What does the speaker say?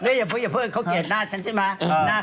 โอ๊ยอย่าพูดเขาเกลียดหน้าฉันใช่มั้ย